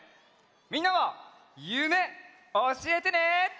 みんなはゆめおしえてね。